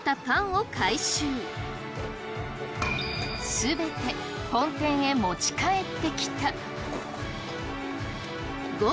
全て本店へ持ち帰ってきた。